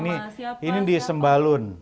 nah ini di sembalun